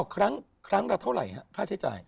ครั้งละเท่าไหร่ฮะค่าใช้จ่าย